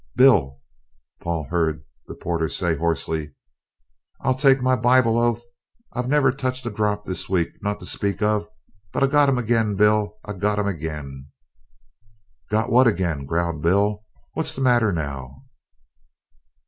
"Bill!" Paul heard the porter say hoarsely, "I'll take my Bible oath I've never touched a drop this week, not to speak of but I've got 'em again, Bill, I've got 'em again!" "Got what agin?" growled Bill. "What's the matter now?"